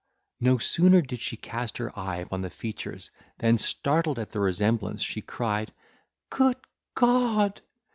No sooner did she cast her eye upon the features, than, startled at the resemblance, she cried, "Good God!"